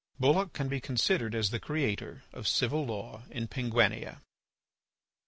Bulloch can be considered as the creator of civil law in Penguinia. IV.